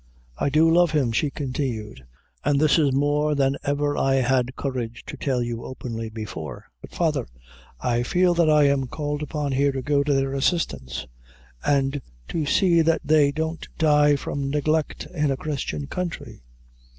"I do love him," she continued, "an' this is more than ever I had courage to tell you openly before; but, father, I feel that I am called upon here to go to their assistance, and to see that they don't die from neglect in a Christian country.